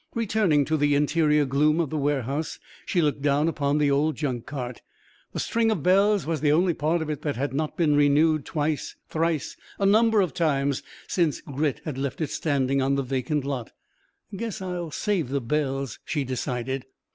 Returning to the interior gloom of the warehouse, she looked down upon the old junk cart. The string of bells was the only part of it that had not been renewed twice, thrice, a number of times since Grit had left it standing on the vacant lot. "Guess I'll save the bells," she decided.